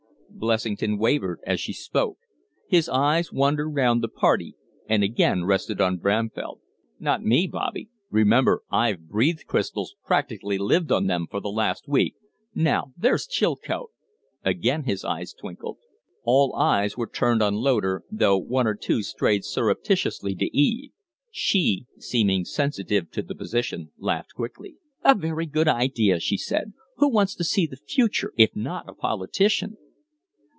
Blessington wavered as she spoke. His eyes wandered round the party and again rested on Bramfell. "Not me, Bobby! Remember, I've breathed crystals practically lived on them for the last week. Now, there's Chilcote " Again his eyes twinkled. All eyes were turned on Loder, though one or two strayed surreptitiously to Eve. She, seeming sensitive to the position, laughed quickly. "A very good idea!" she said. "Who wants to see the future, if not a politician?"